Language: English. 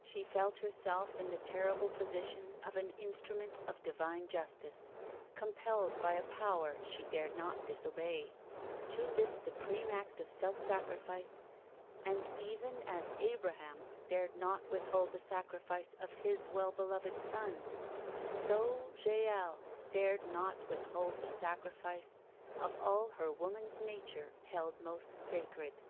She felt herself in the terrible position of an instrument of Divine justice, compelled by a Power she dared not disobey^ to this supreme act of self sacrifice, and even !N WDDLEHAM CHUkCH tgy as Abraham dared not withhold the sacrifice of his well beloved son, so Jael dared not withhold the sacrifice of all her woman's nature held most sacred.